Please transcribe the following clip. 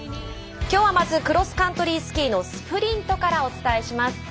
きょうはクロスカントリースキーのスプリントからお伝えします。